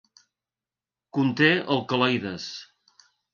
Conté alcaloides.